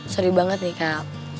seri banget nih kak